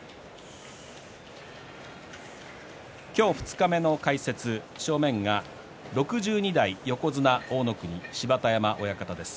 今日、二日目の解説正面が６２代横綱大乃国芝田山親方です。